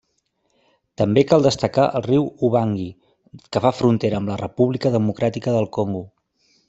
També cal destacar el riu Ubangui, que fa frontera amb la República Democràtica del Congo.